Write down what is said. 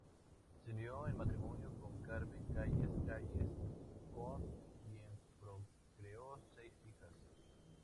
Se unió en matrimonio con Carmen Calles Calles, con quien procreó seis hijas.